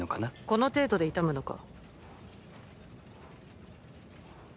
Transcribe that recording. この程度で痛むのか？